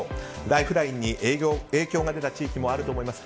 ライフラインに影響が出た地域もあると思います。